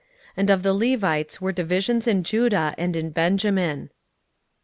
16:011:036 And of the Levites were divisions in Judah, and in Benjamin.